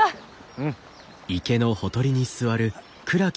うん。